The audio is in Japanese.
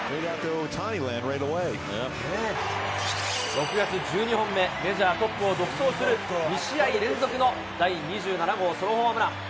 ６月１２本目、メジャートップを独走する２試合連続の第２７号ソロホームラン。